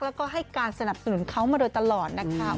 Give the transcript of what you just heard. แล้วก็ให้การสนับสนุนเขามาโดยตลอดนะคะ